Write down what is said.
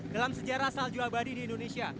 dalam sejarah salju abadi di indonesia